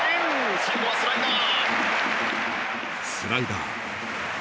最後はスライダー。